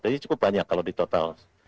jadi cukup banyak kalau di total